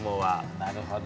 なるほど。